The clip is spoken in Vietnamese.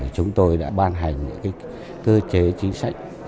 chúng tôi đã ban hành những cơ chế chính sách